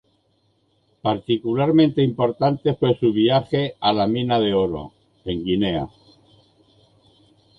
Particularmente importante fue su viaje a la Mina de Oro, en Guinea.